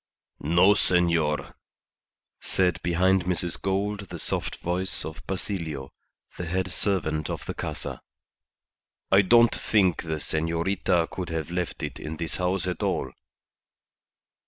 "No, senor," said behind Mrs. Gould the soft voice of Basilio, the head servant of the Casa. "I don't think the senorita could have left it in this house at all."